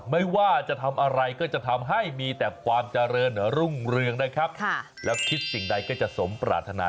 ไม่ว่าจะทำอะไรก็จะทำให้มีแต่ความเจริญรุ่งเรืองนะครับแล้วคิดสิ่งใดก็จะสมปรารถนา